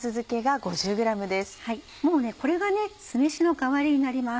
もうこれが酢飯の代わりになります。